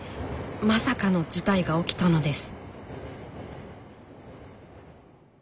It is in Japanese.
まさかの事態が起きたのです。